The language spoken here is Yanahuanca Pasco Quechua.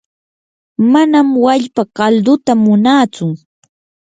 manam wallpa kalduta munaatsu.